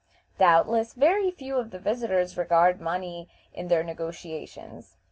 Doubtless very few of the visitors regard money in their negotiations.